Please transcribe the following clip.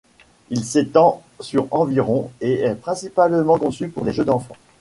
Il s'étend sur environ et est principalement conçu pour les jeux d'enfants.